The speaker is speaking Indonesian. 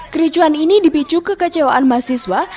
kericuan ini dipicu kekecewaan mahasiswa